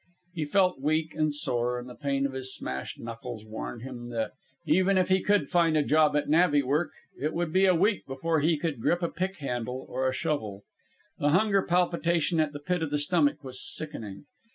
He felt weak and sore, and the pain of his smashed knuckles warned him that, even if he could find a job at navvy work, it would be a week before he could grip a pick handle or a shovel. The hunger palpitation at the pit of the stomach was sickening.